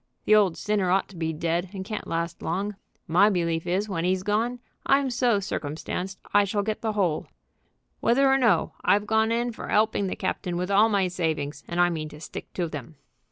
The old sinner ought to be dead, and can't last long. My belief is when 'e's gone I'm so circumstanced I shall get the whole. Whether or no, I've gone in for 'elping the captain with all my savings, and I mean to stick to them."